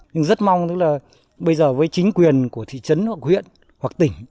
nhưng rất mong tức là bây giờ với chính quyền của thị trấn hoặc huyện hoặc tỉnh